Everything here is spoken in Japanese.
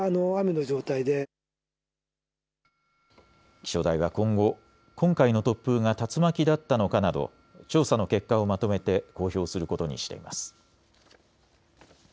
気象台は今後、今回の突風が竜巻だったのかなど調査の結果をまとめて公表することにしています。